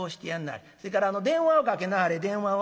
それから電話をかけなはれ電話を。